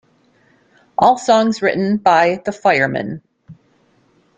All songs written by The Fireman.